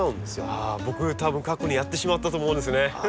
ああ僕たぶん過去にやってしまったと思うんですね。